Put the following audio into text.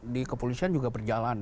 di kepolisian juga berjalan